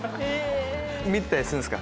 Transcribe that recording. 見てたりするんですか？